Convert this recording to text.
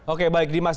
oke baik dimas